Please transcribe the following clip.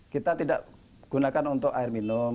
kita tidak gunakan untuk air minum